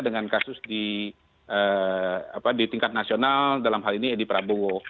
dengan kasus di tingkat nasional dalam hal ini edi prabowo